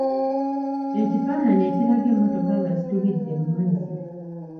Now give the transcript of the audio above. Ekifaananyi ekiraga emmotoka nga zitubidde mu mazzi.